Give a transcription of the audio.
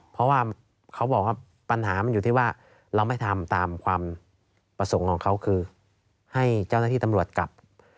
เพราะว่าเขาบอกว่าปัญหามันอยู่ที่ว่าเราไม่ทำตามความประสงค์ของเขาคือให้เจ้าหน้าที่ตำรวจกลับ